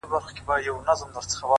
ژوند سرینده نه ده، چي بیا یې وږغوم،